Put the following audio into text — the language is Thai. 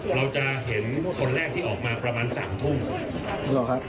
เราจะเห็นคนแรกที่ออกมาประมาณ๓ทุ่ม